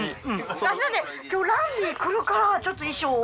私だって今日ランディー来るからちょっと衣装を。